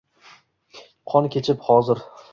Qon kechib hozir